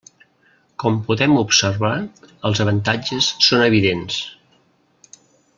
Com podem observar, els avantatges són evidents.